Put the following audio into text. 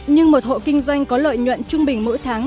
nhưng một hộ kinh doanh có lợi nhuận trung bình mỗi tháng